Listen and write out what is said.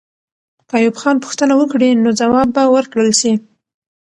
که ایوب خان پوښتنه وکړي، نو ځواب به ورکړل سي.